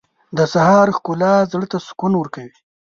• د سهار ښکلا زړه ته سکون ورکوي.